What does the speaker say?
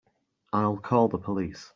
I'll call the police.